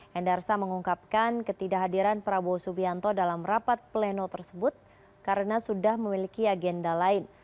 hendarsa mengungkapkan ketidakhadiran prabowo subianto dalam rapat pleno tersebut karena sudah memiliki agenda lain